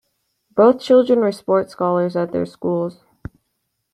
Both children were sports scholars at their schools.